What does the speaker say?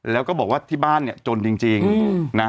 แล้วก็บอกว่าที่บ้านเนี่ยจนจริงนะ